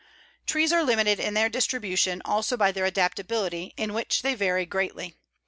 Trees are limited in their distribution also by their adaptability, in which they vary greatly.